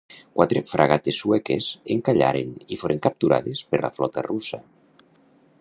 Quatre fragates sueques encallaren i foren capturades per la flota russa.